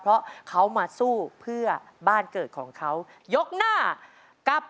เพราะเขามาสู้เพื่อบ้านเกิดของเขายกหน้ากับ